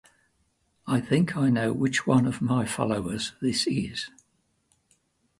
I think I know which one of my followers this is.